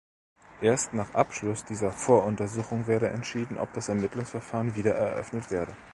Erst nach Abschluss dieser Voruntersuchung werde entschieden, ob das Ermittlungsverfahren wieder eröffnet werde.